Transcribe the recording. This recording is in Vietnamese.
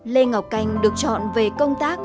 lê ngọc canh được chọn về công tác